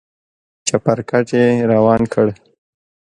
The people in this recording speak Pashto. چپرکټ يې روان کړ.